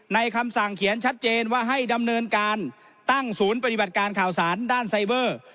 คำสั่งเขียนชัดเจนว่าให้ดำเนินการตั้งศูนย์ปฏิบัติการข่าวสารด้านไซเบอร์